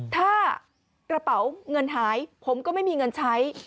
ถ้ากระเป๋าเงินหายผมก็ไม่มีเงินใช้